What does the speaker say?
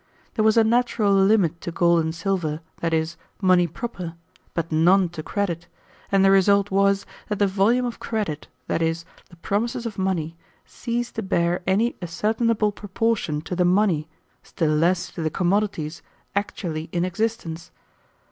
There was a natural limit to gold and silver, that is, money proper, but none to credit, and the result was that the volume of credit, that is, the promises of money, ceased to bear any ascertainable proportion to the money, still less to the commodities, actually in existence.